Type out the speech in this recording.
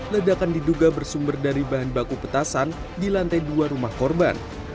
ledakan diduga bersumber dari bahan baku petasan di lantai dua rumah korban